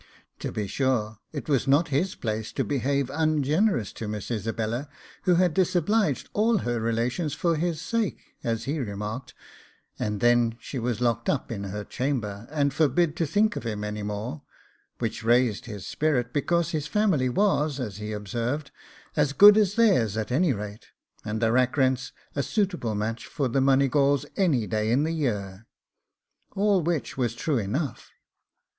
To be sure, it was not his place to behave ungenerous to Miss Isabella, who had disobliged all her relations for his sake, as he remarked; and then she was locked up in her chamber, and forbid to think of him any more, which raised his spirit, because his family was, as he observed, as good as theirs at any rate, and the Rackrents a suitable match for the Moneygawls any day in the year; all which was true enough.